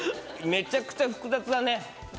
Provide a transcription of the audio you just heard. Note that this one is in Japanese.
めちゃくちゃ複雑だね。